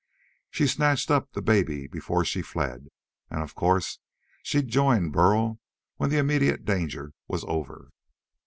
She'd snatched up the baby before she fled. And of course she'd joined Burl when the immediate danger was over.